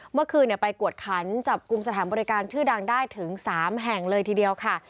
เมื่อคืนไปกวดขันจับกลุ่มสถานบริการชื่อดังได้ถึง๓แห่งเลยทีเดียวค่ะ